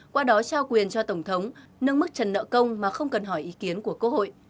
qua đó trao quyền cho tổng thống nâng mức trần nợ công mà không cần hỏi ý kiến của quốc hội